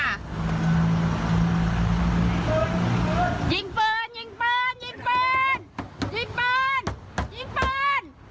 ยิงปืนยิงปืนยิงปืนยิงปืนยิงปืนยิงปืน